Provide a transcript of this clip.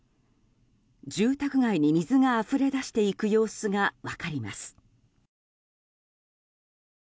住宅街に水があふれ出していく様子が分かります。